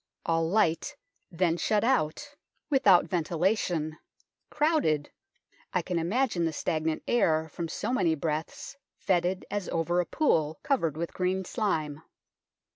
All light then shut out, without ventila THE NORMAN KEEP 45 tion, crowded, I can imagine the stagnant air from so many breaths, fetid as over a pool covered with green slime.